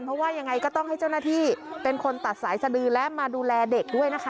เพราะว่ายังไงก็ต้องให้เจ้าหน้าที่เป็นคนตัดสายสดือและมาดูแลเด็กด้วยนะคะ